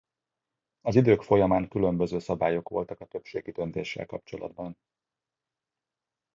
Az idők folyamán különböző szabályok voltak a többségi döntéssel kapcsolatban.